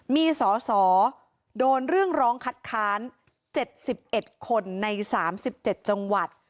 มีสอสอโดนเรื่องร้องคัดค้าน๗๑คนใน๓๗จังหวัด